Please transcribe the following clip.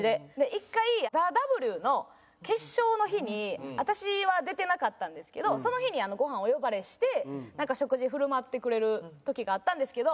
一回ＴＨＥＷの決勝の日に私は出てなかったんですけどその日にご飯お呼ばれして食事振る舞ってくれる時があったんですけど。